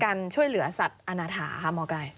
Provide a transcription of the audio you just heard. การช่วยเหลือสัตว์อาณาถาค่ะหมอไก่